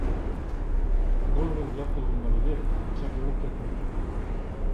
نۇرغۇن گەپ قىلغۇم بار ئىدى، چەكلىنىپ كەتمەي.